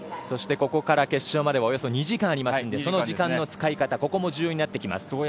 そしてここから決勝までおよそ２時間ありますのでその時間の使い方も重要になってきます。